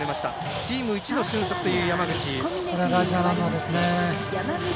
チーム一の俊足という山口。